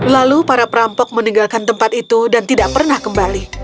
lalu para perampok meninggalkan tempat itu dan tidak pernah kembali